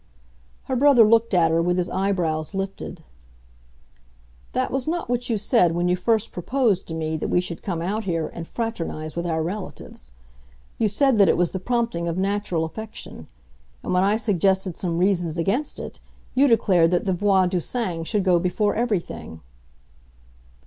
Her brother looked at her with his eyebrows lifted. "That was not what you said when you first proposed to me that we should come out here and fraternize with our relatives. You said that it was the prompting of natural affection; and when I suggested some reasons against it you declared that the voix du sang should go before everything."